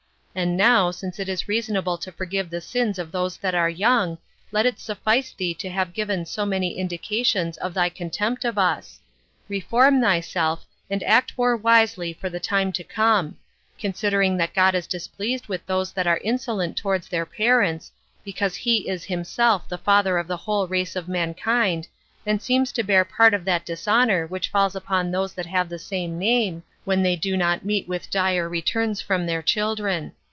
And now, since it is reasonable to forgive the sins of those that are young, let it suffice thee to have given so many indications Of thy contempt of us; reform thyself, and act more wisely for the time to come; considering that God is displeased with those that are insolent towards their parents, because he is himself the Father of the whole race of mankind, and seems to bear part of that dishonor which falls upon those that have the same name, when they do not meet with dire returns from their children.